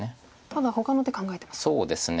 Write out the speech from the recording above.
ただほかの手考えてますか。